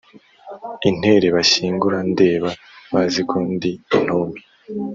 intere banshyingura ndeba bazi ko ndi intumbi